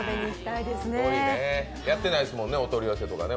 やってないですよね、お取り寄せとかもね。